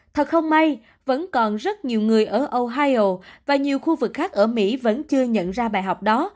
thật không may vẫn còn rất nhiều người ở ohio và nhiều khu vực khác ở mỹ vẫn chưa nhận ra bài học đó